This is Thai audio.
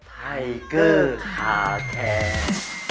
ไพเกอร์ค่าแทน